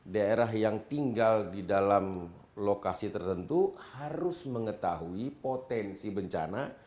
daerah yang tinggal di dalam lokasi tertentu harus mengetahui potensi bencana